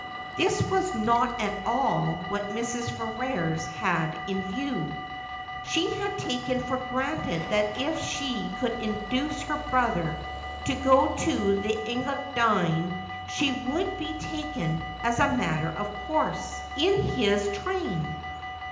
This was not at all what Mrs. Ferrers had in view. She had taken for granted that if she could induce her brother to go to the Engadine she would be taken, as a matter of course, in his train.